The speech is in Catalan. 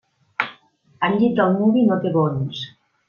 El llit del nuvi no té bonys.